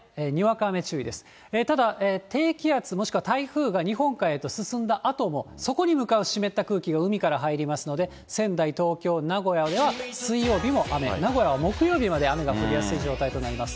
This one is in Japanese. ただ、低気圧、もしくは台風が日本海へと進んだあとも、そこに向かった湿った空気が海から入りますので、仙台、東京、名古屋では水曜日も雨、名古屋は木曜日まで、雨が降りやすい状態となります。